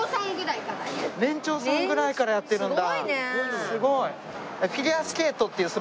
年長さんぐらいからやってるんだ。